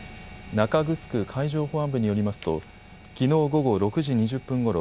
中城海上保安部によりますときのう午後６時２０分ごろ